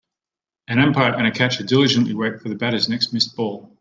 An umpire and a catcher diligently wait for the batter 's next missed ball.